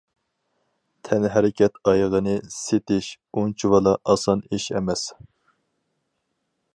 تەنھەرىكەت ئايىغىنى« سېسىتىش» ئۇنچىۋالا ئاسان ئىش ئەمەس.